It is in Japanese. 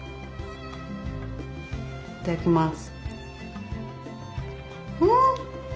いただきます！